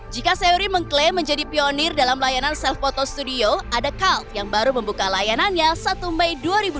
jika seori mengklaim menjadi pionir dalam layanan self photo studio ada kalt yang baru membuka layanannya satu mei dua ribu dua puluh